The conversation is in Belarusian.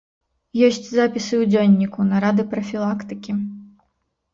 Ёсць запісы ў дзённіку, нарады прафілактыкі.